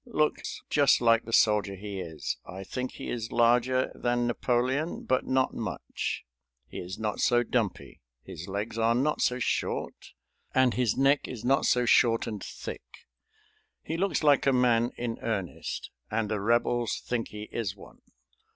Looks just like the soldier he is. I think he is larger than Napoleon, but not much; he is not so dumpy, his legs are not so short, and his neck is not so short and thick. He looks like a man in earnest, and the Rebels think he is one."